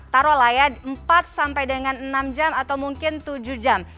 taruh lah ya empat sampai dengan enam jam atau mungkin tujuh jam